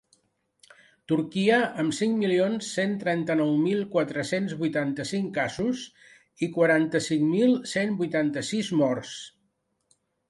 Turquia, amb cinc milions cent trenta-nou mil quatre-cents vuitanta-cinc casos i quaranta-cinc mil cent vuitanta-sis morts.